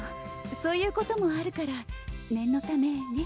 そういうこともあるから念のためね。